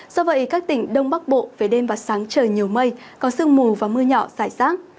do vậy các tỉnh đông bắc bộ về đêm và sáng trời nhiều mây có sương mù và mưa nhỏ rải rác